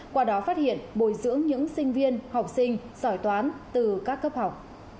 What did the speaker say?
qua đó phát hiện bồi dưỡng những sinh viên học sinh giỏi toán từ các cấp học